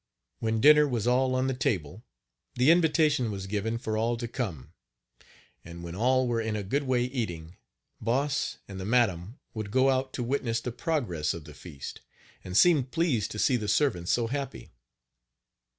When dinner was all on the table, the invitation was given for all to come; and when all were in a good way eating, Boss and the madam would go out to witness the progress of the feast, and seemed pleased to see the servants so happy.